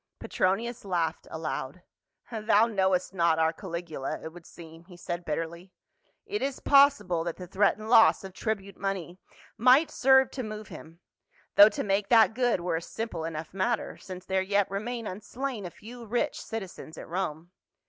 Petronius laughed aloud, " Thou knowest not our Cahgula, it would seem," he said bitterly. "It is possible that the threatened loss of tribute money might serve to move him — though to make that good were a simple enough matter, since there yet remain unslain a few rich citizens at Rome.